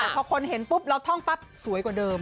พอคนเห็นปุ๊บเราท่องปั๊บสวยกว่าเดิม